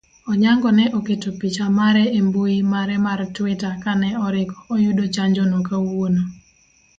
Onyango ne oketo picha mare embui mare mar twitter kane oriko oyudo chanjono kawuono